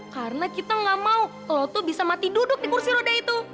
karena kita nggak mau lo tuh bisa mati duduk di kursi roda itu